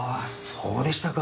そうでしたか。